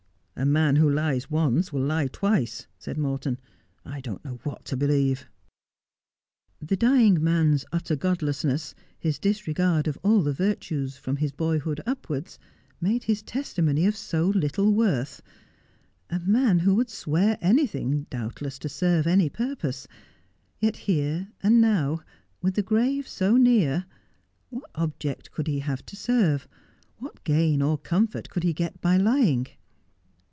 ' A man who lies once will lie twice,' said Morton. ' I don't know what to believe.' The dying man's utter godlessness, his disregard of all the virtues, from his boyhood upwards, made his testimony of so little worth. A man who would swear anything, doubtless, to serve any purpose. Yet here, and now, with the grave so near, what object could he have to serve? What gain or comfort could he get by lying